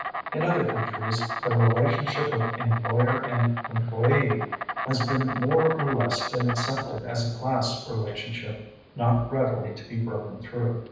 In other countries the relationship of employer and employee has been more or less been accepted as a class relationship not readily to be broken through.